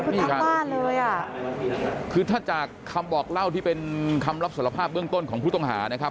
นี่ค่ะคือถ้าจากคำบอกเล่าที่เป็นคำรับสรภาพเบื้องต้นของพุทธวงหานะครับ